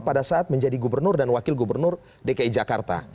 pada saat menjadi gubernur dan wakil gubernur dki jakarta